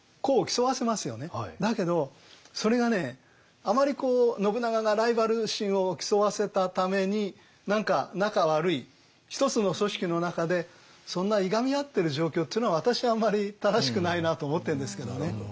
だけどそれがねあまりこう信長がライバル心を競わせたために何か仲悪い一つの組織の中でそんないがみ合ってる状況っていうのは私はあんまり正しくないなと思ってるんですけどね。